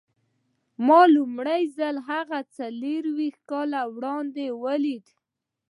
ما لومړی ځل هغه څلور ويشت کاله وړاندې وليد.